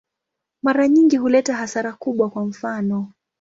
Mara nyingi huleta hasara kubwa, kwa mfano.